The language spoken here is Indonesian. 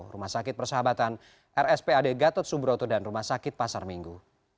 rumah sakit persahabatan rspad gatot subroto dan rumah sakit pasar minggu